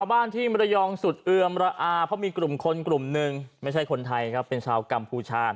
บ้านที่มรยองสุดเอือมระอาเพราะมีกลุ่มคนกลุ่มหนึ่งไม่ใช่คนไทยครับเป็นชาวกัมพูชา